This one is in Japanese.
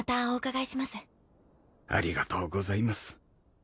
ありがとうございます。